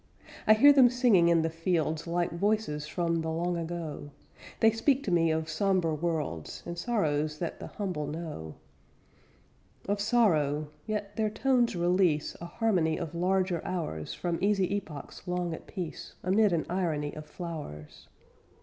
I hear them singing in the fields Like voices from the long ago; They speak to me of somber worlds And sorrows that the humble know; Of sorrow yet their tones release A harmony of larger hours From easy epochs long at peace Amid an irony of flowers.